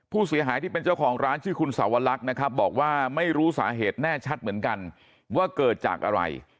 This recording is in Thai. ผู้เสียหายที่เป็นเจ้าของร้านชื่อคุณสาวลักษณ์นะครับบอกว่าไม่รู้สาเหตุแน่ชัดเหมือนกันว่าเกิดจากอะไร